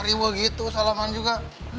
riwa gitu salaman juga